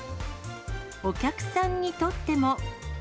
お客さんにとっても。